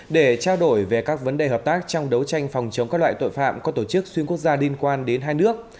để trao đổi về các vấn đề hợp tác trong đấu tranh phòng chống các loại tội phạm có tổ chức xuyên quốc gia liên quan đến hai nước